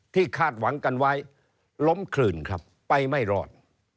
คาดหวังกันไว้ล้มคลื่นครับไปไม่รอด